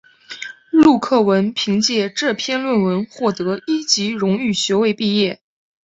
陆克文凭藉这篇论文获得一级荣誉学位毕业。